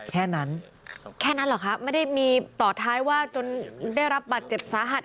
แค่นั้นแค่นั้นเหรอคะไม่ได้มีต่อท้ายว่าจนได้รับบัตรเจ็บสาหัส